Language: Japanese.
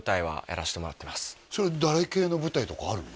それ誰系の舞台とかあるの？